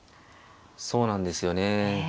そうなんですよね。